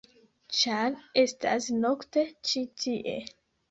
ĉar estas nokte ĉi tie-.